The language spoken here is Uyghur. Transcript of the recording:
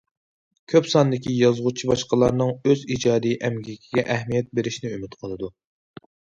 كۆپ ساندىكى يازغۇچى باشقىلارنىڭ ئۆز ئىجادىي ئەمگىكىگە ئەھمىيەت بېرىشىنى ئۈمىد قىلىدۇ.